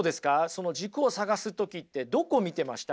その軸を探す時ってどこ見てました？